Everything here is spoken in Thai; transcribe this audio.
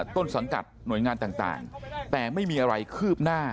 ต้นสังกัดหน่วยงานต่างแต่ไม่มีอะไรคืบหน้า